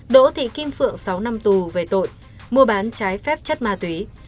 đỗ thị kim phượng sáu năm tù về tội mua bán trái phép chất ma túy